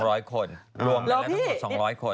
รวมกันละทั้งหมด๒๐๐คน